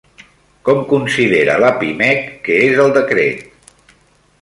Com considera la Pimec que és el decret?